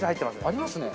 ありますね。